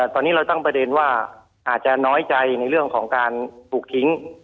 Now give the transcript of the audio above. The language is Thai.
ตอนนี้เราตั้งประเด็นว่าอาจจะน้อยใจในเรื่องของการถูกทิ้ง